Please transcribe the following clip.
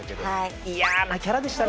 嫌なキャラでしたね